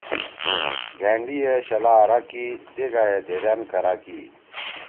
گھأنڈی یے شَلا آرا کی۔ دیِگایے دھیدأن کرَا کی۔